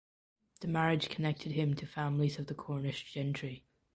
The marriage connected him to families of the Cornish gentry.